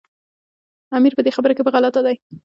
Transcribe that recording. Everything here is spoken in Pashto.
امیر په دې خبره کې په غلطه دی.